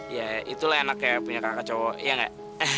ya itulah enak ya punya kakak cowo iya gak